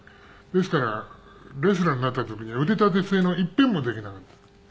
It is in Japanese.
ですからレスラーになった時に腕立て伏せのいっぺんもできなかった。